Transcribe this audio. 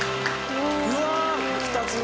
うわあ２つ目。